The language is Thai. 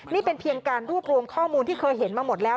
นี่เป็นเพียงการรวบรวมข้อมูลที่เคยเห็นมาหมดแล้ว